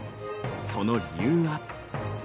その理由は。